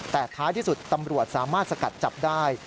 แต่ท้ายที่สุดตำรวจสามารถสกัดจับได้